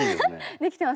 できてますか？